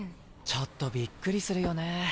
ちょっとびっくりするよね。